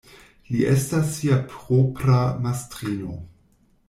Li estas sia propra mastrino.